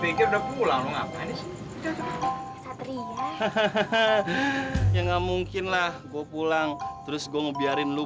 pikir udah pulang ngapain ya hahaha ya nggak mungkinlah gua pulang terus gua ngebiarin lu